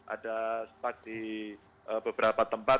ada spak di beberapa tempat